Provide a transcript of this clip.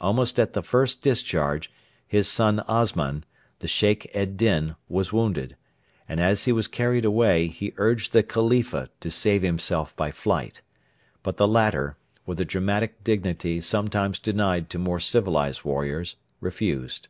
Almost at the first discharge, his son Osman, the Sheikh ed Din, was wounded, and as he was carried away he urged the Khalifa to save himself by flight; but the latter, with a dramatic dignity sometimes denied to more civilised warriors, refused.